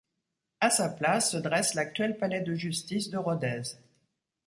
À sa place se dresse l'actuel palais de justice de Rodez.